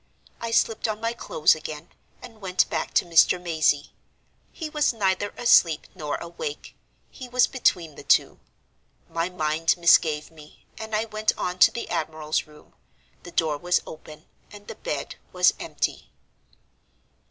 I slipped on my clothes again, and went back to Mr. Mazey. He was neither asleep nor awake—he was between the two. My mind misgave me, and I went on to the admiral's room. The door was open, and the bed was empty.